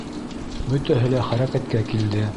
Бөтәһе лә хәрәкәткә килде.